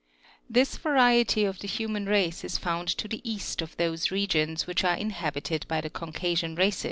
15. This variety of the human race is found to the ea^t of those regions which are inhabited by the Caucasian race?